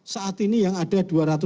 saat ini yang ada dua ratus enam puluh satu